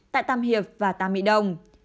tại tàm hiệp và tàm mỹ đông